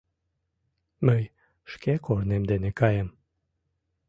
Мый шке корнем дене каем.